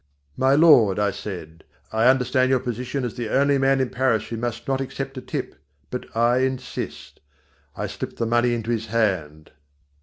"My lord," I said, "I understand your position as the only man in Paris who must not accept a tip, but I insist." I slipped the money into his hand.